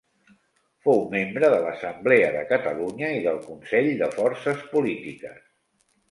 Fou membre de l'Assemblea de Catalunya i del Consell de Forces Polítiques.